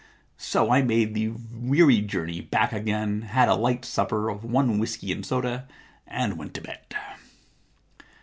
So I made the weary journey back again, had a light supper of one whisky and soda, and went to bed.'